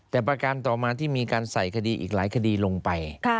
แต่ประการต่อมาที่มีการใส่คดีอีกหลายคดีลงไป